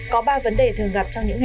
có ba vấn đề thường gặp trong kỳ nghỉ